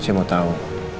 saya mau tahu